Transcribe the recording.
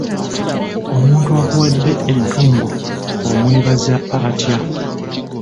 Omuntu akuwadde entungo omwebaza atya?